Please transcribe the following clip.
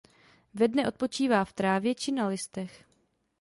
Ve dne odpočívá v trávě či na listech.